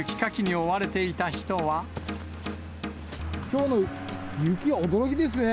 きょうの雪は驚きですね。